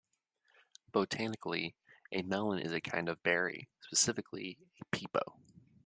Botanically, a melon is a kind of berry, specifically a "pepo".